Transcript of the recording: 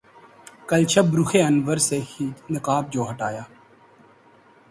کل شب رخ انور سے نقاب جو ہٹایا